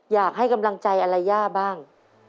อยากให้กำลังใจอะไรย่าบ้าง